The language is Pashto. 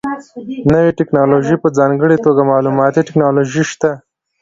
نوې ټکنالوژي په ځانګړې توګه معلوماتي ټکنالوژي شته.